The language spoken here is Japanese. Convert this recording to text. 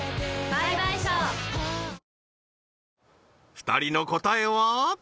２人の答えは？